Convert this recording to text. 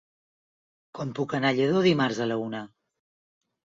Com puc anar a Lladó dimarts a la una?